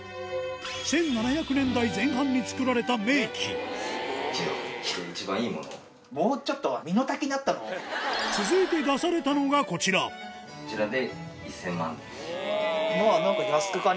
１７００年代前半に作られた名器続いて出されたのがこちらこちらで。